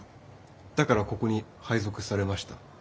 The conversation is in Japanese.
だからここに配属されました。